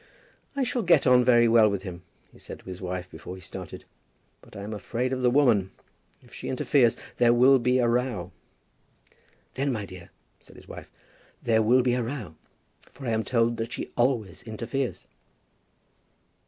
"I shall get on very well with him," he said to his wife before he started; "but I am afraid of the woman. If she interferes, there will be a row." "Then, my dear," said his wife, "there will be a row, for I am told that she always interferes."